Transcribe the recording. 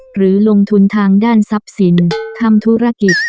หรือลงทุนทางด้านทรัพย์สินทำธุรกิจ